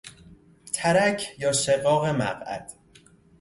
ترک یا شقاق مقعد